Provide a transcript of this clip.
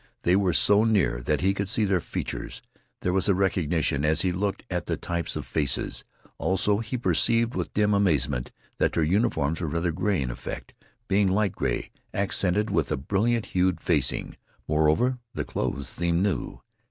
They were so near that he could see their features. There was a recognition as he looked at the types of faces. Also he perceived with dim amazement that their uniforms were rather gay in effect, being light gray, accented with a brilliant hued facing. Too, the clothes seemed new.